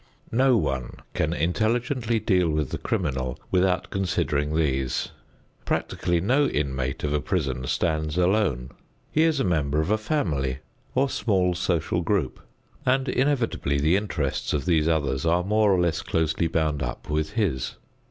No one can intelligently deal with the criminal without considering these. Practically no inmate of a prison stands alone. He is a member of a family or small social group, and inevitably the interests of these others are more or less closely bound up with his.